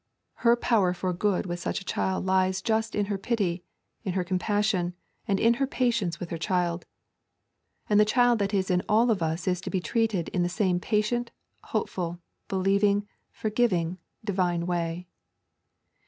Her power for good with such a child lies just in her pity, in her compassion, and in her patience with her child. And the child that is in all of us is to be treated in the same patient, hopeful, believing, forgiving, divine way.